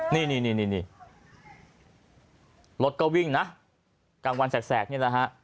นี่นี่รถก็วิ่งนะกลางวันแสกนี่แหละฮะ